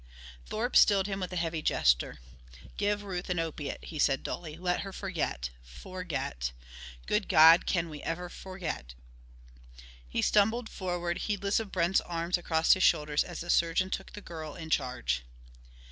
Thorpe stilled him with a heavy gesture. "Give Ruth an opiate," he said dully. "Let her forget ... forget!... Good God, can we ever forget " He stumbled forward, heedless of Brent's arm across his shoulders as the surgeon took the girl in charge.